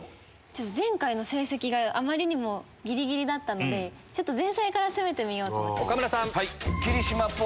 前回の成績があまりにもギリギリだったので前菜から攻めてみようと思って。